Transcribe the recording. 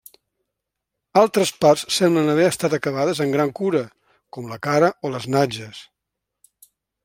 Altres parts semblen haver estat acabades amb gran cura, com la cara o les natges.